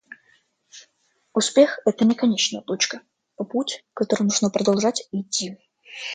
Успех - это не конечная точка, а путь, который нужно продолжать идти